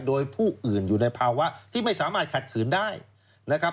โดยผู้อื่นอยู่ในภาวะที่ไม่สามารถขัดขืนได้นะครับ